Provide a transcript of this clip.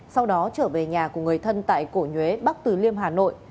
sau đó trở về nhà của người thân tại cổ nhuế bắc từ liêm hà nội